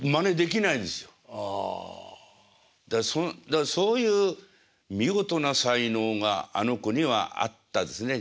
だからそういう見事な才能があの子にはあったですね